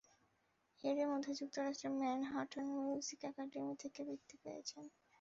এরই মধ্যে যুক্তরাষ্ট্রের ম্যানহাটন মিউজিক একাডেমি থেকে বৃত্তি পেয়েছেন।